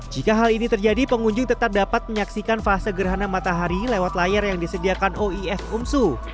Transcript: jika hal ini terjadi pengunjung tetap dapat menyaksikan fase gerhana matahari lewat layar yang disediakan oif umsu